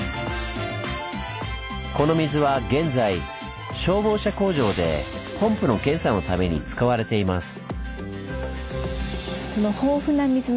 この水は現在消防車工場でポンプの検査のために使われています。